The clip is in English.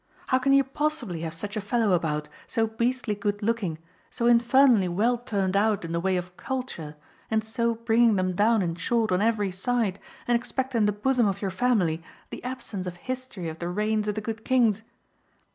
How can you possibly have such a fellow about, so beastly good looking, so infernally well turned out in the way of 'culture,' and so bringing them down in short on every side, and expect in the bosom of your family the absence of history of the reigns of the good kings?